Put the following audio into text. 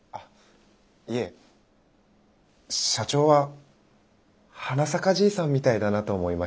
いえ社長ははなさかじいさんみたいだなと思いまして。